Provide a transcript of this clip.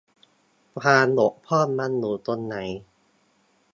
ความบกพร่องมันอยู่ตรงไหน ?